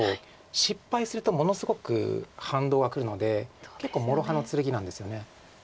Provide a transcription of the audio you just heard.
失敗するとものすごく反動がくるので結構諸刃の剣なんですよね。